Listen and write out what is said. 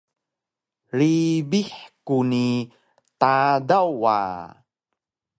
Ribix ku ni Tadaw wa!